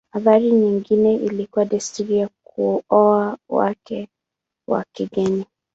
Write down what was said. Athari nyingine ilikuwa desturi ya kuoa wake wa kigeni.